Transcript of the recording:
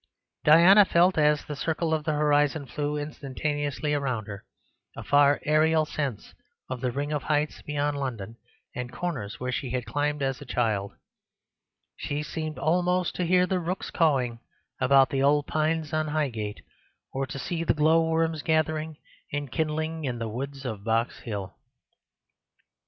Diana felt, as the circle of the horizon flew instantaneously around her, a far aerial sense of the ring of heights beyond London and corners where she had climbed as a child; she seemed almost to hear the rooks cawing about the old pines on Highgate, or to see the glowworms gathering and kindling in the woods of Box Hill.